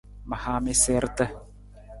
Ma haa mi siirta.